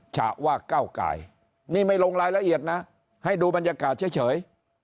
ฉะว่าเก้าไก่นี่ไม่ลงรายละเอียดนะให้ดูบรรยากาศเฉย